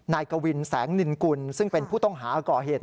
นายกวินแสงนินกุลซึ่งเป็นผู้ต้องหาก่อเหตุ